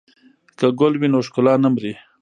که ګل وي نو ښکلا نه مري.